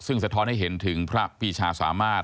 ซึ่งสะท้อนให้เห็นถึงพระปีชาสามารถ